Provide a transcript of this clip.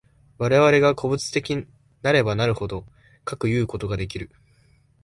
我々が個物的なればなるほど、かくいうことができる。